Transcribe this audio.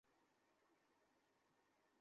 Mrs Krementz, আমার গায়ে জামা নেই।